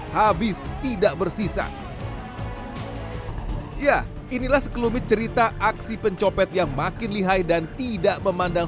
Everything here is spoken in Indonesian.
habis tidak bersisa ya inilah sekelumit cerita aksi pencopet yang makin lihai dan tidak memandang